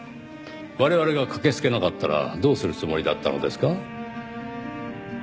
我々が駆けつけなかったらどうするつもりだったのですか？